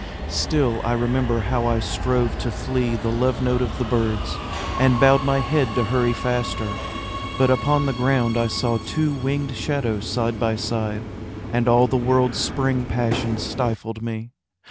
Still I remember how I strove to flee The love note of the birds, and bowed my head To hurry faster, but upon the ground I saw two winged shadows side by side, And all the world's spring passion stifled me.